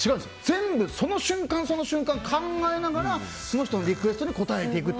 全部、その瞬間その瞬間考えながらその人のリクエストに応えていく。